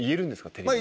テレビで。